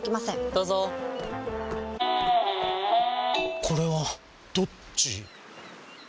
どうぞこれはどっち？